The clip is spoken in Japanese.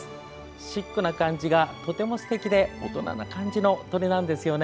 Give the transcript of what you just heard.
シックな感じがとてもすてきで大人な感じの鳥なんですよね。